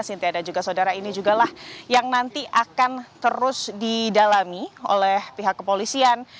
sintia dan juga saudara ini juga lah yang nanti akan terus didalami oleh pihak kepolisian